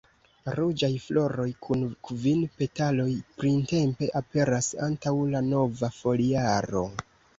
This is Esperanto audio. Ruĝaj floroj kun kvin petaloj printempe aperas antaŭ la nova foliaro.